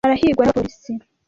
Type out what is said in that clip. Arahigwa n'abapolisi.